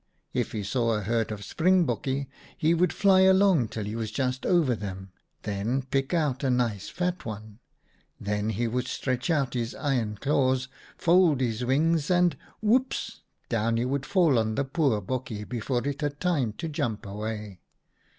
If he saw a herd of springbokke he would fly along till he was just over them, and pick out a nice fat one ; then he would stretch out his iron claws, fold his wings and — woops !— down he would fall on the poor bokkie before it had time to jump away.